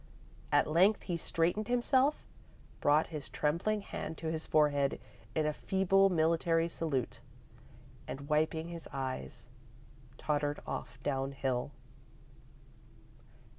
At length he straightened himself, brought his trembling hand to his forehead in a feeble military salute, and, wiping his eyes, tottered off downhill.